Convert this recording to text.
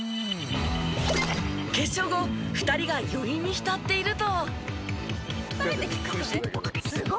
決勝後２人が余韻に浸っていると。